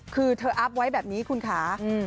คือเธออัพไว้แบบนี้คุณค่ะ